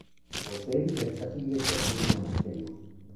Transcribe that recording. Posee diversas iglesias y un monasterio.